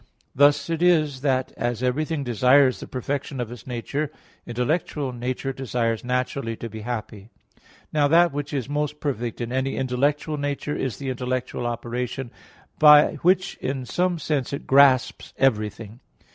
Thus it is that, as everything desires the perfection of its nature, intellectual nature desires naturally to be happy. Now that which is most perfect in any intellectual nature is the intellectual operation, by which in some sense it grasps everything.